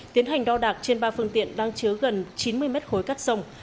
tiến hành đo đạc trên ba phương tiện đang chứa gần chín mươi mét khối cát sông